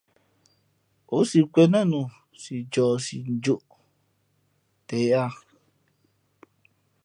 O si kwēn nά nu si ncohsi njūʼ nten yāā.